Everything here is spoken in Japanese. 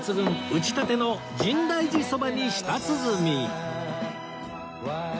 打ち立ての深大寺そばに舌鼓